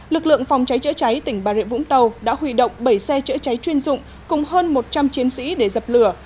lực lượng phòng cháy chữa cháy tỉnh bà rịa vũng tàu đã huy động bảy xe chữa cháy chuyên dụng cùng hơn một trăm linh chiến sĩ để dập lửa